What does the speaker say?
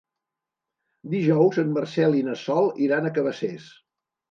Dijous en Marcel i na Sol iran a Cabacés.